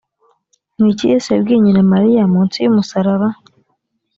ni iki yesu yabwiye nyina mariya munsi y’umusaraba‽